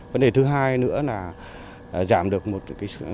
vấn đề thứ hai nữa là giảm được một cái